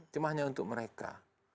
cuma hanya untuk mereka